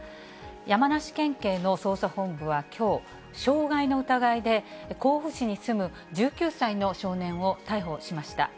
山梨県警の捜査本部はきょう、傷害の疑いで甲府市に住む１９歳の少年を逮捕しました。